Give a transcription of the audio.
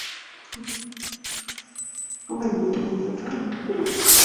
meli hiyo ilikuwa ikimwaga tani mia moja za majivu